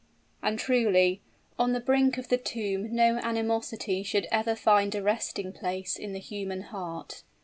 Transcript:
And truly, on the brink of the tomb no animosity should ever find a resting place in the human heart.